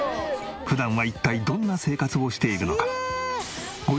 普段は一体どんな生活をしているのか？